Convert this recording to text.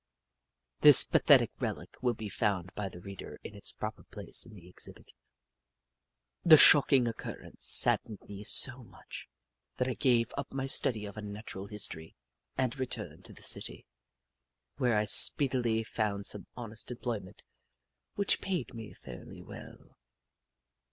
This pathetic relic will be found by the reader in its proper place in the exhibit. The shocking; occurrence saddened me so much that I gave up my study of Unnatural History and returned to the city, where I speedily found some honest employment which paid me fairly well.